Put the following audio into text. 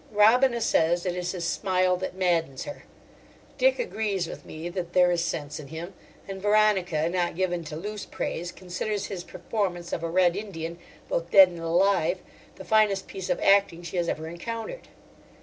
Robina says it is his smile that maddens her. Dick agrees with me that there is sense in him; and Veronica, not given to loose praise, considers his performance of a Red Indian, both dead and alive, the finest piece of acting she has ever encountered.